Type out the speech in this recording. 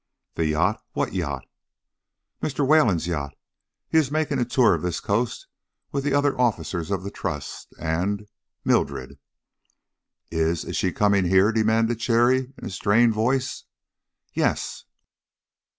"The yacht! What yacht?" "Mr. Wayland's yacht. He is making a tour of this coast with the other officers of the Trust and Mildred." "Is is she coming here?" demanded Cherry, in a strained voice. "Yes."